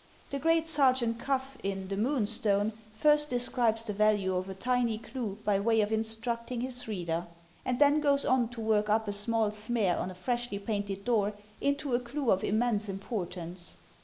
The great Sergeant Cuff, in "The Moonstone," first describes the value of a tiny clue by way of instructing his reader; and then goes on to work up a small smear on a freshly painted door into a clue of immense importance.